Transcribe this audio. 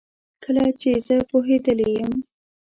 کله چي زه پوهیدلې یم